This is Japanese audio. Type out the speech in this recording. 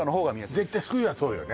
絶対冬はそうよね